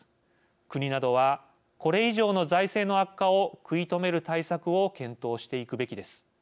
国などはこれ以上の財政の悪化を食い止める対策を検討していくべきです。